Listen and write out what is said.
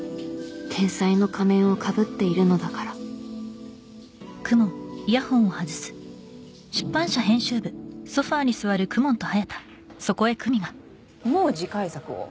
天才の仮面をかぶっているのだからもう次回作を？